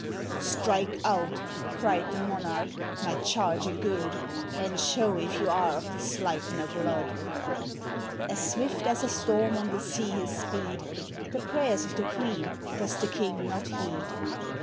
"Strike out," cried the monarch, "my charger good, And show if you are of the Sleipner blood." As swift as a storm on the sea his speed; The prayers of the queen does the king not heed.